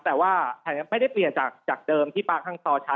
แต่ว่าแผนการเล่นไม่ได้เปลี่ยนจากเดิมที่ป้างห้างตอใช้